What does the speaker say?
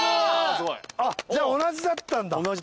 じゃあ同じだったんだ。